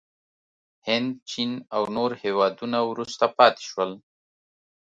هند، چین او نور هېوادونه وروسته پاتې شول.